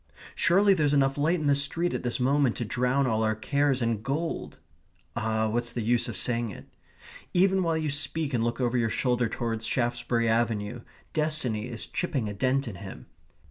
"Surely there's enough light in the street at this moment to drown all our cares in gold!" Ah, what's the use of saying it? Even while you speak and look over your shoulder towards Shaftesbury Avenue, destiny is chipping a dent in him.